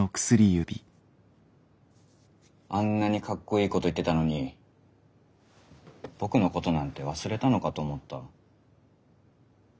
あんなにかっこいいこと言ってたのに僕のことなんて忘れたのかと思った。